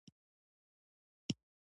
د افغانستان طبیعت له اوړي څخه جوړ شوی دی.